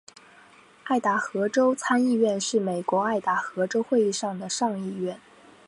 爱达荷州参议院是美国爱达荷州议会的上议院。